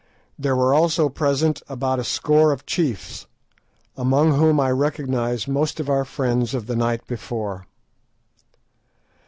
There were also present about a score of chiefs, amongst whom I recognised most of our friends of the night before.